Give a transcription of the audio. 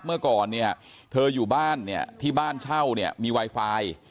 เมื่อก่อนเธออยู่บ้านที่บ้านเช่ามีไวไฟ